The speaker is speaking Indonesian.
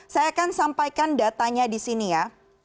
saya akan sampaikan datanya di sini ya